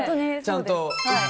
ちゃんと。